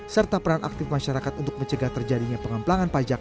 serta peran aktif masyarakat untuk mencegah terjadinya pengamplangan pajak